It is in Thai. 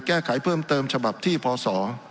แก้ไขเพิ่มเติมฉบับที่พศ